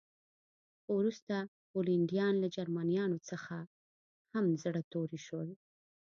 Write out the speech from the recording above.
خو وروسته پولنډیان له جرمنانو څخه هم زړه توري شول